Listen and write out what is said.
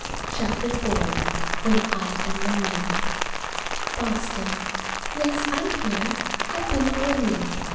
CHAPTER IV WHEN I AM MARIE BOSTON. Yes, I'm here. I've been here a week.